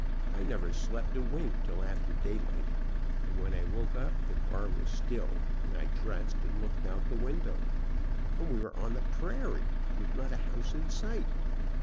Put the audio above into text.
I never slept a wink till after daylight, and when I woke up the car was still, and I dressed and looked out the window, and we were on the prairie, with not a house in sight.